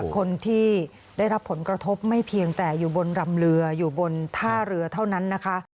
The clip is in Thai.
คนที่ได้รับผลกระทบไม่เพียงแต่อยู่บนรำเรืออยู่บนท่าเรือเท่านั้นนะคะ